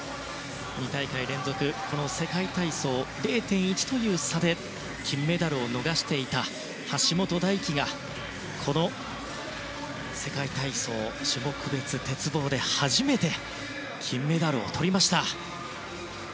２大会連続、この世界体操０．１という差で金メダルを逃していた橋本大輝がこの世界体操、種目別鉄棒で初めて金メダルをとりました。